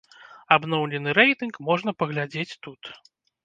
Абноўлены рэйтынг можна паглядзець тут.